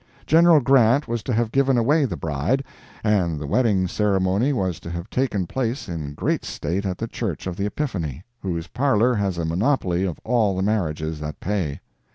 General Grant was to have given away the bride, and the wedding ceremony was to have taken place in great state at the Church of the Epiphany, whose parlor has a monopoly of all the marriages that pay.